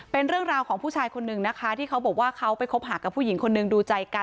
เป็นเรื่องราวของผู้ชายคนนึงนะคะที่เขาบอกว่าเขาไปคบหากับผู้หญิงคนนึงดูใจกัน